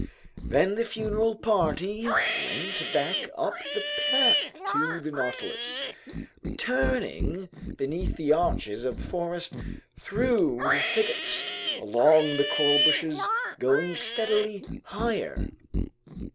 ... Then the funeral party went back up the path to the Nautilus, returning beneath the arches of the forest, through the thickets, along the coral bushes, going steadily higher.